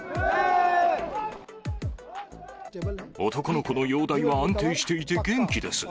男の子の容体は安定していて元気です。